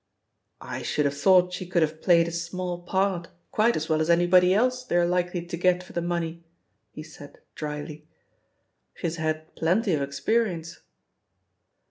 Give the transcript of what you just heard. ''I should have thought she could have played a small part quite as well as anybody else they're likely to get for the money," he said drily. "She has had plenty of experience."